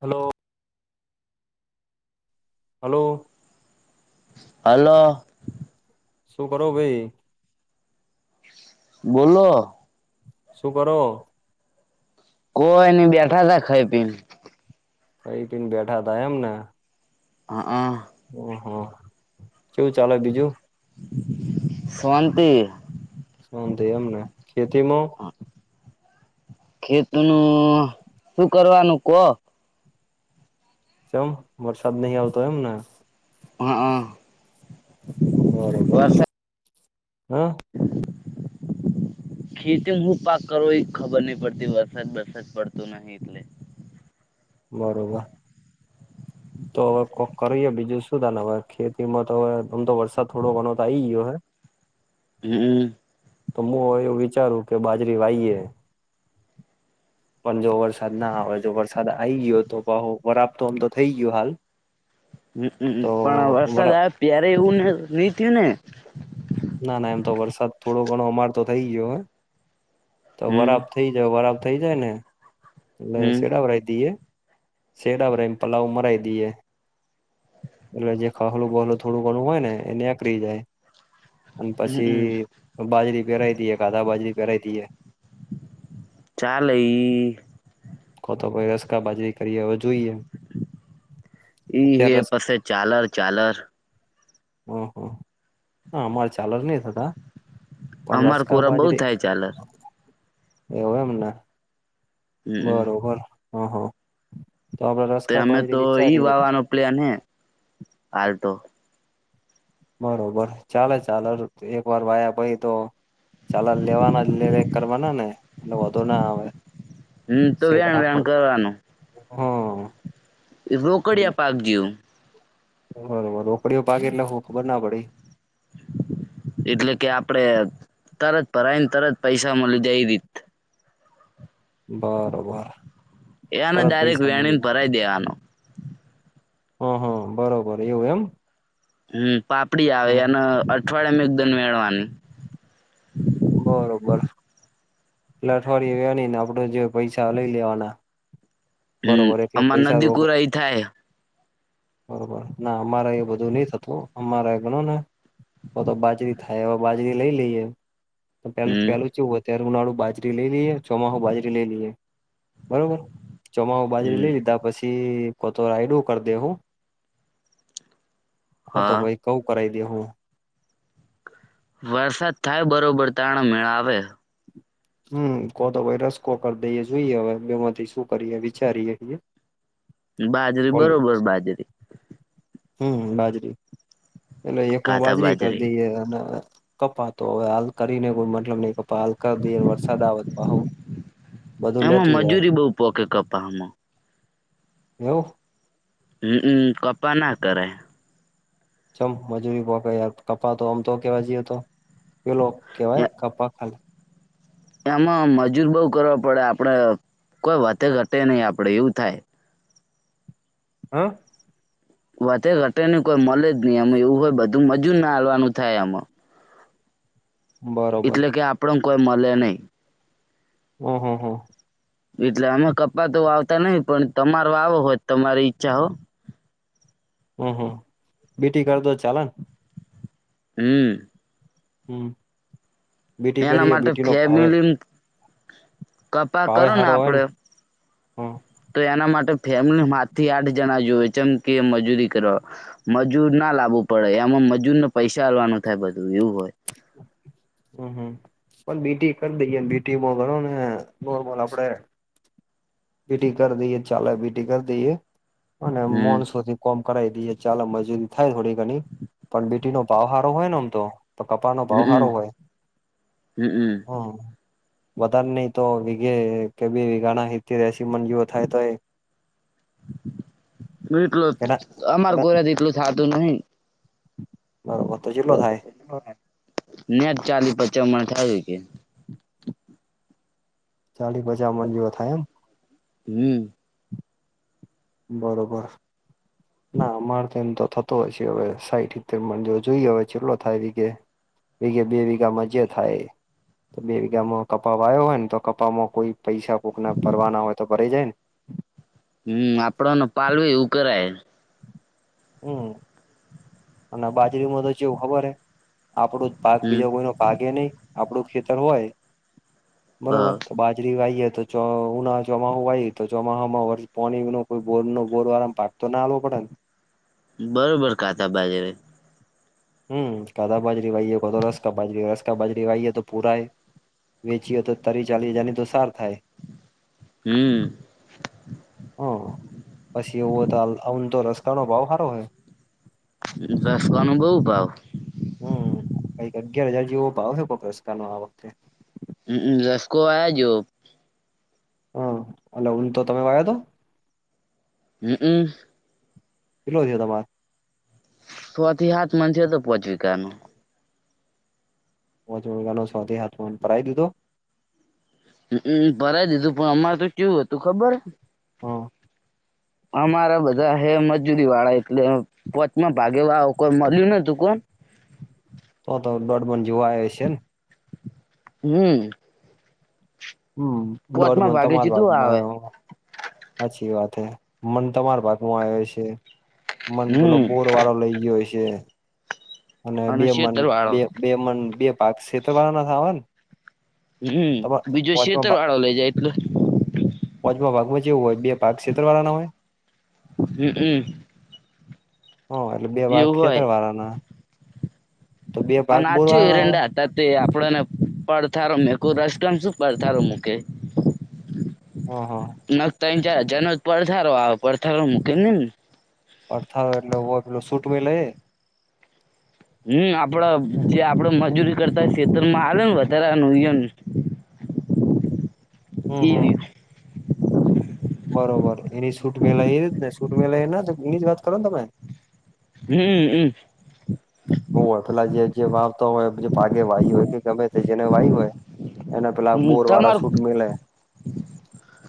Hello. Hello. હાલો શું કરો ભાઈ. બોલો. શું કરો. કોઈની બેઠા તા ખાઈ પીને. ખઈ પીન બેઠા થા એમને. હ અ હ હા શું ચાલે બીજું. શોંતિ શાંતિ એમને ખેતીમાં. ખેતી નું શું કરવાનું કહો. કેમ વરસાદ નહી આવતો એમ ને. હા બરોબર હા [unintelligible] ખેતીમાં હું પાક કરો એ ખબર નહ પડતી વરસાદ વરસાદ પડતો નહી એટલે. બરોબર. તો હવે કોક કરી બીજું શું થાય ને હવે ખેતીમાં તો હવે આમ તો વરસાદ થોડો ઘણો તો આ આવી ગયો હે. [unintelligible] હમ તો હું એવું વિચારું કે બાજરી વાઈએ પણ જો વરસાદ ના આવે જો વરસાદ આવે આ આવી ગયો તો બહો બરાબર તો આમ તો થઈ ગયો હાલ. હમ તો પણ વરસાદ વરા આવે ત્યારે એવું ને નહી થું ને ના ના એમ તો વરસાદ થોડો ઘણો અમાર તો થઇ ગયો હે તો હમ વરા. થઇ જઓ બરાબર થઇ જાય ને. એટલે હમ શેડાવરાય દઈએ શેડાવરાયને પલાવ મરાઈ દઈએ. એટલે જે ખલું બહલું થોડું ઘણું હોય ને એ નીકળી જાય અને હમમ પછી બાજરી પેરાય દઇએ કાધા બાજરી પેરાય દીે. ચાલે ઇ તો ભાઈ રસકા બાજરી કરીએ હવે જોઈ. એ ઈ હે પસે ચાલર ચાલર. હં હ હ અમારે ચાલ જ નહી થતા પણ અમાર રસકા કોરા બઉ બાજરી. થાય ચાલર એવું એમને. હમમ બરોબર હા હા તો આપડે રસ્કા અમે તો બાજરી ઈ વિચારીએે. વાવાનો પ્લેન હ હાલ તો. બરોબર ચાલે ચા એક વાર વાયા પાઈ તો ચાલ લેવાના લેરે કરવાના ને એટલે વાંધો ના આવે હમ તો સટ વેણ આખો વેણ કરવાનું હમ રોકડિયા પાકજીવ. બરોબર રોકડીઓ પાકેે એટલે હ ખબર ના પડી. એટલે કે આપડે તરત ભરાઈને તરત પૈસા મળ દે રી. બરોબર. એને તરત ડારેક પૈસા મળી વેણીને જાય ભરાઈ દેવાનો. હુ હુ બરોબર એવું એમ. હમ પાપડી આવે હ એને અઠવાડિયામાં એકદમ વેળવાની. બરોબર. એટલે અઠવાડયે વેણી ને આપડે જે પૈસા લઈ લેવાના. હમ બરોબર એટલે આમાં પૈસા નદી રોક કુરાઈ થાય. બરોબર ના અમારે એ બધું નહી થતું અમારા ગણો ને, તો તો બાજરી થાય હવે બાજરી લઈ લઈએ. પેલું હમ પેલું ચેવું ઓય ત્યારે ઉનાળું બાજરી લઈ લઈએ ચોમાસું બાજરી લઈ લઈએ બરોબર. ચોમાસુ બાજરી હમ લઈ લીધા પછી કોતો રાઈડું કરી દે હું. કો તો હા ભાઈ ઘઉં કરાવ દે હું. વરસાદ થાય બરોબર તારે મેળા આવે. હમ કો તો વાય રસકો કરી દઈ જોઈએ હવે બે માંથી શું કરીએ વિચારીએ. બાજરી બરોબર બાજરી. હમ બાજરી એટલે એકમાં બાજરી કરી દઈએ અને, કપાતો હવે હાલ કરીને કોઈ મતલબ નહી [inaudible] [inaudible] કપા હાલ કરી દઈને વરસાદ આવે પાહૂ એમાં મજૂરી બઉ પોકે કપાહ માં. એવું. હ મ કપાહ ના કરાય. ચમ મજૂરી પોક યાર કપાહ તો આમ તો કેવા જઈએ તો પેલો કેવાય કપાહ ખાલી એમાં મજૂર બઉુ કરવા પડ આપડે કોઈ વધે ઘટે નહી આપડે એવું થાય. હા. વધે ઘટે ન કોઈ મળે જ નહી અમે એવું હોય બધું મજુર ને આલવાનું થાય અમાં. બરોબર એટલે કે આપણ ન કોઈ મળ નહી. અહં એટલે અમે કપ્પા તો વાવતા નહી પણ તમાર વાવો હોય તો તમારી ઈચ્છા હો. હમ હ બીટી કરતો ચાલે ને? હમ. હમ બીટી એના કરીએ માટે બીટી નો ભાવે કપાહ ભાવે કરો ન હારો હોય ને આપડે. હમ તો એના માટે ફેમિલી માથી આઠ જણા જોવે ચમ કે મજૂરી કરવા. મજૂર ના લાવવું પડ એમાં મજૂરને પૈસા આલવાનું થાય બધું એવું હોય. હમ હમ પણ બીટી કરી દઈએ ન બીટીમાં ગણો ને નોર્મલ આપડે. બીટી કરી દઈએ ચાલે બીટી કરી દઈએ અને હમ માણસોથી. કોમ કરાવી દઈએ ચાલ મજૂરી થાય થોડી ઘણી પણ બીટી નો ભાવ હારો હોય ને આમ તો તો કપાનો હમ ભાવ હારો હોય. હમ હમ વઘારે નહી તો વિઘે કે બે વિઘાના હિતેર એસી મંજૂર થી તો એ એટલ કેના અમાર કોઈ થાતું નહિ બરોબર તો ચેટલો થાય? નેટ ચાલી પચા મણ થઇ હકે ચાલી પચા મણ જેવા થાય એમ હમ બરોબર ના અમાર તો એમ તો થતો હોય હવે સાઈઠ હીતેર મન જેવો જોઈએ હવે ચેટલો થાય વિધે. વીગે બે વીઘામાંજે થાય ઇ બે વીઘામાં કપા વાયો હોય ને તો કપામાં કોઈ પૈસા કોકના ભરવાના હોય તો ભરાઈ જાય ને હમ આપડ ન પાલવે એવું કરાય. હ અને બાજરીમાં તો જેવું ખબર હે, આપડો જ હમ બીજો કોઈનો ભાગ એ નહી. આપડું ખેતર હોય હ બરોબર, તો બાજ જરી વાઈએ તો ઉનાળામાં, ચોમાસું વાય તો ચોમાહામાં વર્ષ પોણી નો કોઈ બોરનો-બોર વારમ પા તો ના આલવો પડે ને. બરોબર, કાતા બાજરે. હમ, કાદા, બાજરી વાઈએ કાતો રસકા બાજરી રસકા બાજરી વાહીએ, તો પૂરાઈ. વેચીએ તો, તારી ચાલીસ હજાર ની તો સાર થાય. હમ. હમ, પછી એવું હોય, તો આમ તો રસકાનો ભાવ સારો હોય. રસકાનું બઉ ભાવ. હમ, કઈક અગિયાર હજાર જેવો ભાવ છે, કોક રસકા નો આ વખતે. રસકો આયા જો. હ, અલા ઊન તો તમે વાયો તો. હમ, હમ. કટલો છે તમારે? સો થી સાત માન છે, તો પોહંચ વિકા ન. [unintelligible] પોંચ વીઘાનો છ થી સાત પરાઈ દીધો. હમ, ભરાઈ દીધું, પણ અમારે તો કેવું હતું ખબર. હા અમારા બધા હે મજૂરી વાળા, એટલે પોચમાં ભાગેવાળો કોઈ મળ્યું ન તું કોણ. તો તો દોડબન જોવા આવે છે ને. હમ. હમ, દોઢ પોચમાં મન ભાગે તમાર ચેટલું આવે વાગમાં. સાચી વાત હે, મન તમારા ભાગમાં આવે છે, મન પેલા હમ બ વારો લઇ ગયો છે. અને બે મન શેતર વાળો બે બે મન બે પાક શેત્ર વાળા ના આવેય ને. [unintelligible] હમ, તમાર બીજો છેતર વાળો લઇ જાય, એટલે. વચમાં ભાગમાં જેવું હોય, બે ભાગ ક્ષેતર વાળાના હોય. હમ. હ, એટલે બે ભાગ એવું હોય ખેતર વાળાના. હ નાચું વાળા ના આવે એરંડા [unintelligible] આપણને પડથારો મેકુ રસતામ શું પડથારો મૂકે. હ હ નખ તા જનો પડથારો આવે પડથારો મૂકીને ને. [unintelligible] પડથળો એટલે, પેલો સૂટવે લઈએ. હમ, આપડે જે આપડે મજૂરી કરતા, ખેતરમાં આલેને વધારેનું. હમ, હમ. બરોબર, એની સૂટ મેલા એ જ ને, સૂટ મેલા એના, એની જ વાત કરો ને તમે. હમ, હમ. હ હોય, પેલા જે જે વાવતા હોય, પછી પાગે વાયુ હોય કે, ગમે તે જેને વાય હોય. એને પેલા હમ બોર વાળા તમાર સૂટ મેલે.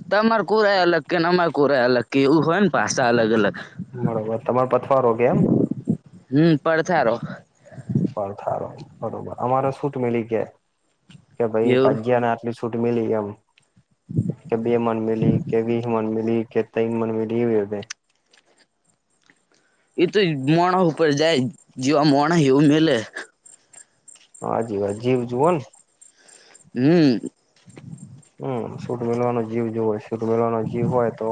તમાર કોરાય અલગ કેને, અમાર કોરાય અલગ કે એવું હોય ને, પાસા અલગ-અલગ. બરોબર, તમાર પથવારો કેમ. હમ પડથારો પરથારો બરોબર, અમારે શૂટ મેલી ગયા કે, ભાઈ એવું ભાગ્યા ના. સૂટ મેલી એમ કે, બે મન મેલી કે, વિહ મન મેલી. કે તઈન મન મીલી. [unintelligible] એ તો માણહ ઉપર જાય, જેવા માણહ એવું મેલે. હા, જીવા જીવ જુઓ ને. હમ્મ. હમ્મ સૂટ મેલવાનો જીવ જોવેશે. સુટ મેલવાનો જીવ હોય તો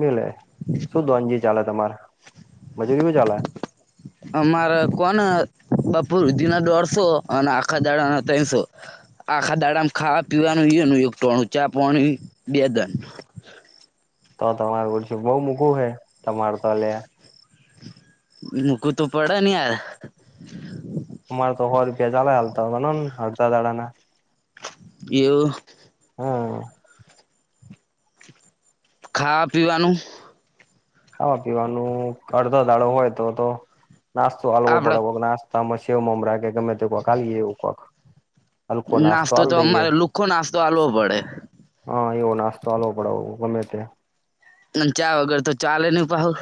મિલે શું દનજી ચાલે તમારે? મજૂરીઓ ચાલે. અમારે કોને બપુરુધિના દોઢસો અને આખા દાડાના ત્રસો. આખા દાડામાં ખાવા પીવાનું નું યણ ચા પાણી બેદન. તો તમારું ઊડશું બહુ મૂકવુંહે તમાર તા લે. મૂકું તો પડે ને યાર. અમારે તો હો રૂપિયા ચાલે હાલતા બનો ને હડતા દાડાના. એયુ હા. ખા પીવાનું ખાવા પીવાનું અડધો દાડો હોય તો તો નાસ્તો હલવો પડે આપણા વોગ નાસ્ તા મે શેવ મમરા કે ગમે તો કો ખાલીએ એવું કોક. હલકો નાસ્તો હાલ તો દઈએ અમારે લુખો નાસ્તો આલવો પડે. હા, એવો નાસ્તો હાલવો પડે ગમે તે. પણ ચા વગર તો ચાલે નહી પાહુ.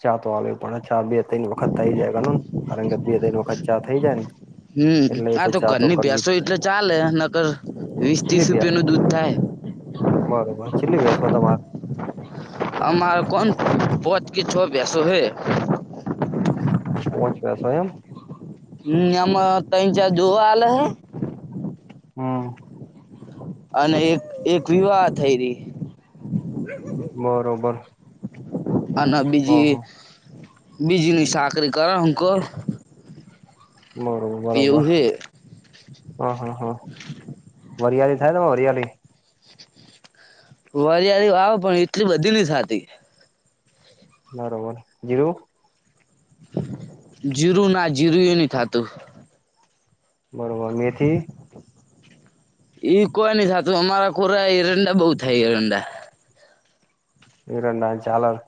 ચા તો આવે પડે ચા બે ત્રણ વખત થઈ જાય ગ ને કારણ કે બે ત્રણ વખત ચા થઈ જાય ને. હમ્મ, એટલે એ આ તો ચા ઘરની કરવી જ ભસો એટલે ચાલે નકર વીસ ત્રીસ ચેટલી રૂપિયા પ્યા નું દૂધ થાય. બરોબર છેલ્લી બેસો તમાર? અમારા કોણ પજ કે છો ભેંસો હૈ. પોચા ભેંસો એમ? હમ્મ, એમાં તૈઈન ચાર દુહા હાલે હૈ. હા. અને એક એક વિવાહ થઈ રહી. બરોબર. અને હ હ બીજી બીજીની સાકરી કરે હું કહ બરોબર એવું બરોબર. હે હ હા હા વરિયાળી થાય ને વરિયાળી. વરિયાળ વા પણ એટલી બધી ની સાતી. બરોબર જીરું? જીરું ના જીરું એ નહી થાતું. બરોબર મેથી? ઈ કોઈ નઈ થતું અમારા ખોરા હિરંડા બઉ થાય હિરંડા. ઈરંડા ચાલણ.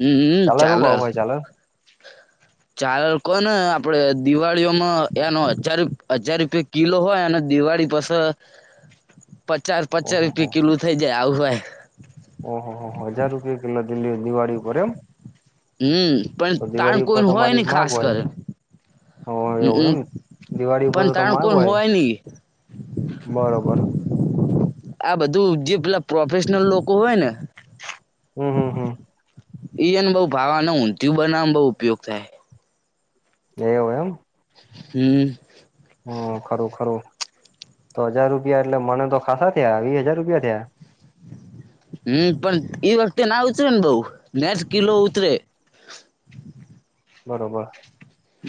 હમ ચાલે એ કાવું હોઈ ચાલે. ચાલ કો ને આપડે દિવાળીઓમાં એનો હજાર હજાર રૂપિયા કિલ્લો હોય અને દિવાળી પાસે પચાસ પચાસ ઓહો રૂપિયા કિલો થઇ જાય આવું હોય. ઓહ હો હો હો હજાર રૂપિયા કિલો દિલ્લી દિવાળી ઉપર એમ? હમ્મ પણ તો ટાઈમ દિવાળી ઉપર કોઈ હોય તમારી નહી માગ ખાસ હોય કર. હમ્મ એવું એમ દિવાળી અમ્મ ઉપર પણ તો તો ટાઈમ માગ કોન હોય નહીં. બરોબર. આ બધું જે પેલા પ્રોફેશનલ લોકો હોય ને હમ્મ હમ્મ એઈને બઉ ભાવવા [unintelligible] બઉુ ઉપયોગ થાય એવું એમ હમ્મ હમ્મ ખરું ખરું તો હજાર રૂપિયા એટલે મને તો ખાાસા થયા વી હજાર રૂપિયા થયા હમ્મ પણ એઈ વખતે ના ઉતરે ને બઉ નેઠ કિલો ઉતરે બરોબર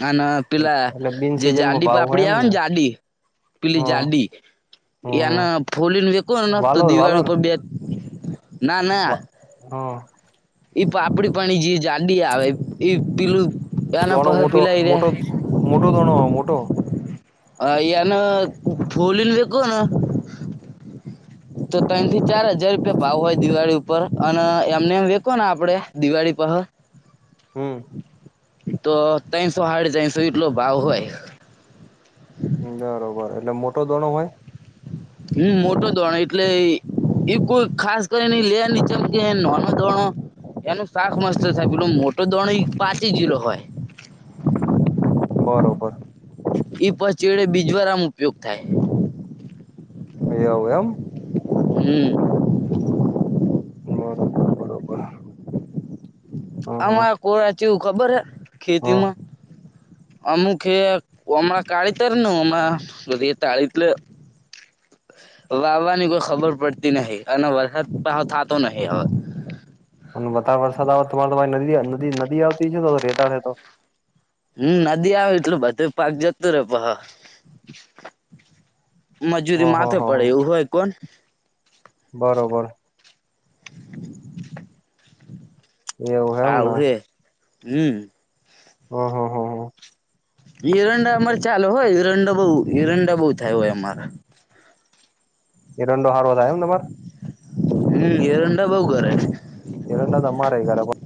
અને ના પેલા એટલે બિન જે સિઝનમાં જાડી ભાવ હોય પાપડી એમ આવે ને જાડી હ પેલી જાડી એના હ ફોલીને વિક નસતો વાલોર વાલોર દિવાળી પર બે ના હ ના. ઈ પાપડી પાણી જે જાંડી આવે ઈ પેલું એના દોણો પહ મોટો, પેલા એને મોટો મોટો દોણો મોટો. આયાના [unintelligible] દેખો ના તો ત્રણ થી ચાર હજાર રૂપિયા ભાવ હોય દિવાળી ઉપર અને એમને એમ વેખો ને આપડે દિવાળી પહલ હમ તો ત્રણસો હાડી ત્રણસો એટલો ભાવ હોય. બરોબર એટલે મોટો દણો હોય હમ મોટો ધોરણ એટલે બિલકુલ ખાસ કરીને લેર નીચેમ કે નાનો ધોણો. એનું શાક મસ્ત છે પેલો મોટો દોણી પાચી ગલો હોય. બરોબર એ પછ, ચેડે બીજવારા મા ઉપયોગ થાય. એવું એમ. હમ બરોબર બરોબર હા હા અમારા કોરા ચેવું, ખબર હ, ખેતી હા માં. અમુક હે, હમણાં કાળી તરને, હમણા રેતાળી એટલે- વાવાની કોઈ ખબર પડતી નહી, અને વરસાદ પાહો થાતો નહી હવ. પણ વધારે વરસાદ આવે તમારે તમારી નદી ન નદી આવતી છે તો રેતાળ હેેતો હમ, નદી આવે એટલે, બધું પાક જતું રે પહ- મજૂરી હ હ માથે હ પડે, એવું હોય કોન. બરોબર. એવું એમ ને આવે હે હમ હો હો હો હો. હિરંડા અમારે ચાલે હોય હિરંડા બહુ હિરંડા બહુ થાય હોય અમારે એરંડો હારો થાય એમ તમાર હમ, એરંડા બઉ કરે. એરંડા અમારે પણ [unintelligible]